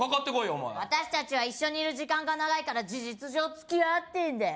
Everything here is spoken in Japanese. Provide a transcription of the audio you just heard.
お前私達は一緒にいる時間が長いから事実上付き合ってんだよ